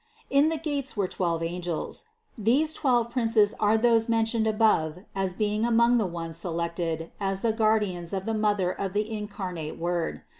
In the gates were twelve angels. These twelve princes are those mentioned above as being among the ones selected as the guardians of the Mother of the incar nate Word.